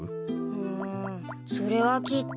うんそれはきっと。